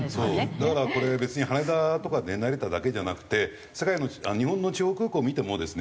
だからこれ別に羽田とかね成田だけじゃなくて世界の日本の地方空港見てもですね